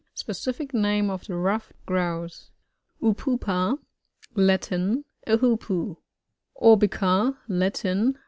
Specific name of the ruffed Grouse. Upupa. — Latin. A Hoopoo. Urbica. — Latin.